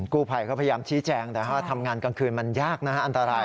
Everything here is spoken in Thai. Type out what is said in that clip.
กู้ภัยก็พยายามชี้แจงแต่ว่าทำงานกลางคืนมันยากนะฮะอันตราย